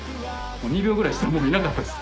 もう２秒ぐらいしたらいなかったです。